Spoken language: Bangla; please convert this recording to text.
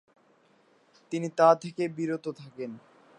তিনি তা থেকে বিরত থাকেন।